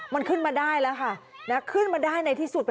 มันขึ้นมาได้แล้วค่ะขึ้นมาได้ในที่สุด